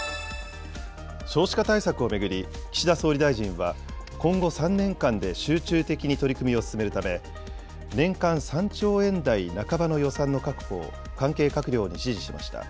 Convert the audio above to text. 少子化対策を巡り、岸田総理大臣は、今後３年間で集中的に取り組みを進めるため、年間３兆円台半ばの予算の確保を関係閣僚に指示しました。